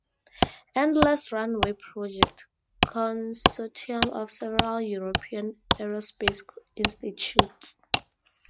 "Endless Runway Project", consortium of several European aerospace institutes.